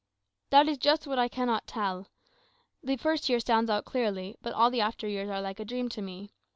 "That is just what I cannot tell. The first year stands out clearly; but all the after years are like a dream to me.